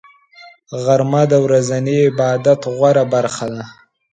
غرمه د ورځني عبادت غوره برخه ده